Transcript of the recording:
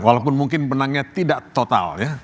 walaupun mungkin menangnya tidak total ya